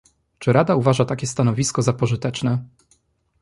Czy Rada uważa takie stanowisko za pożyteczne?